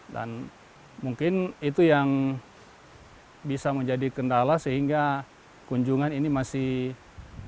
dan mungkin itu yang bisa menjadi kendala sehingga kunjungan ini masih berakhir